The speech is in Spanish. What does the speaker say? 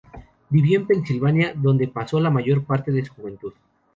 Vivió en Pennsylvania, donde pasó la mayor parte de su juventud.